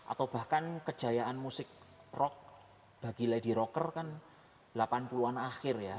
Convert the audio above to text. atau bahkan kejayaan musik rock bagi lady rocker kan delapan puluh an akhir ya